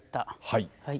はい。